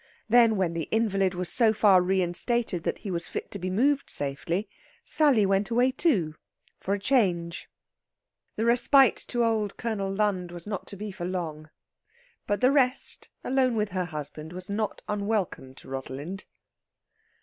Then, when the invalid was so far reinstated that he was fit to be moved safely, Sally went away too, for a change. The respite to old Colonel Lund was not to be for long. But the rest, alone with her husband, was not unwelcome to Rosalind.